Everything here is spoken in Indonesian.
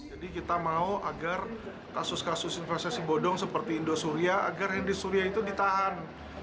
jadi kita mau agar kasus kasus investasi bodong seperti indosuria agar indosuria itu ditahan